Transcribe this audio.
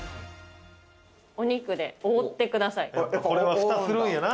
お肉で覆ってください。